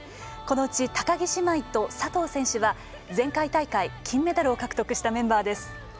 このうち高木姉妹と佐藤選手は前回大会、金メダルを獲得したメンバーです。